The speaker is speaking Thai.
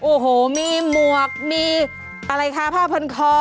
โอ้โหมีหมวกมีอะไรคะผ้าพันคอ